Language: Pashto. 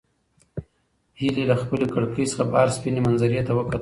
هیلې له خپلې کړکۍ څخه بهر سپینې منظرې ته وکتل.